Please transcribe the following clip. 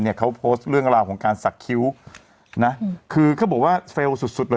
เขาโพสต์เรื่องราวของการสักคิ้วนะคือเขาบอกว่าเซลล์สุดสุดเลย